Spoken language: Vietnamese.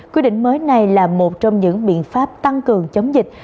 quy định mới này là một trong những biện pháp tăng cường chống dịch